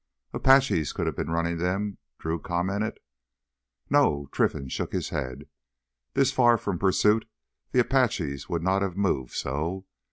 "Apaches could have been running them," Drew commented. "No." Trinfan shook his head. "This far from pursuit the Apaches would not have moved so.